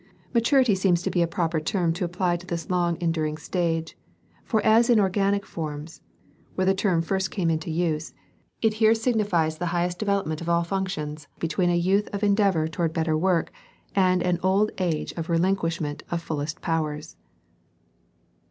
Maturity seems to be a proper term to apply to this long en during stage ; for as in organic forms, where the term first came into use, it here also signifies the highest development of all func tions between a youth of endeavor towards better work and an old age of relinquishment of fullest powers.